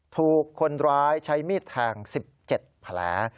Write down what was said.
ถูกคนร้ายใช้มีดแทง๑๗แผล